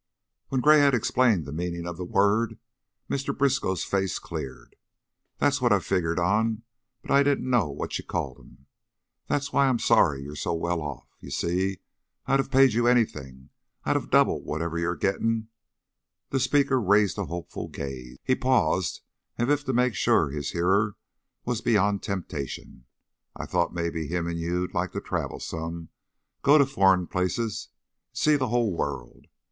When Gray had explained the meaning of the word, Mr. Briskow's face cleared. "That's what I figgered on, but I didn't know what you called 'em. That's why I'm sorry you're so well off. Y' see I'd of paid you anything I'd of doubled whatever you're gettin' " The speaker raised a hopeful gaze; he paused as if to make sure that his hearer was beyond temptation. "I thought mebbe him and you'd like to travel some go to furrin places see the hull world.